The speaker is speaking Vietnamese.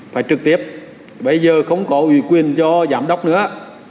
phải trực tiếp bây giờ không có ủy quyền cho giám đốc nữa